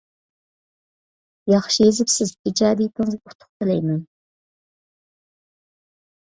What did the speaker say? ياخشى يېزىپسىز، ئىجادىيىتىڭىزگە ئۇتۇق تىلەيمەن.